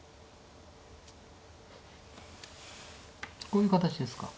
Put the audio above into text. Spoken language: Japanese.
こういう形ですか。